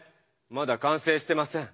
まだ完成してません。